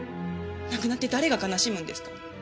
亡くなって誰が悲しむんですか？